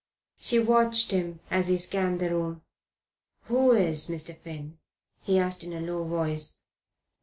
She watched him as he scanned the room. "Who is Mr. Finn?" he asked in a low voice.